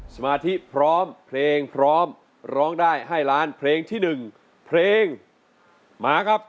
สมาธิพร้อมเพลงพร้อมร้องได้ให้ล้านเพลงที่๑เพลงมาครับ